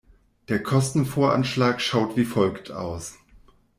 Der Kostenvoranschlag schaut wie folgt aus.